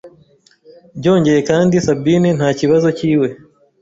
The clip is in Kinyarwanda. byongeye kandi Sabine nta kibazo kiwe